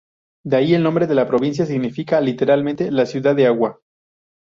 De ahí el nombre de la provincia significa literalmente La Ciudad de Agua.